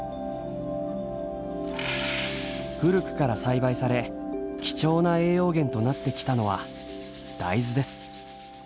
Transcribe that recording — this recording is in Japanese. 古くから栽培され貴重な栄養源となってきたのは大豆です。